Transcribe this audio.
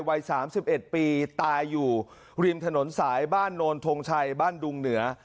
วัย๓๑ปีตายอยู่ริมถนนสายบ้านโนนทงชัยบ้านดุงเหนือ